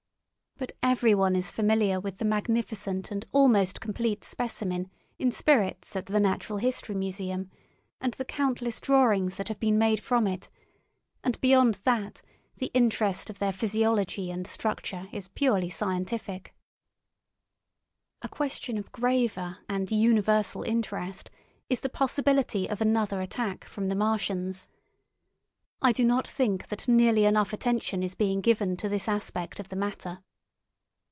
But everyone is familiar with the magnificent and almost complete specimen in spirits at the Natural History Museum, and the countless drawings that have been made from it; and beyond that the interest of their physiology and structure is purely scientific. A question of graver and universal interest is the possibility of another attack from the Martians. I do not think that nearly enough attention is being given to this aspect of the matter.